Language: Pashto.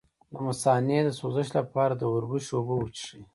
د مثانې د سوزش لپاره د وربشو اوبه وڅښئ